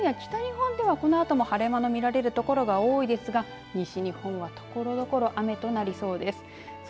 東日本や北日本ではこのあとも晴れ間が見られる所が多いですが西日本は、ところどころ雨となりそうです。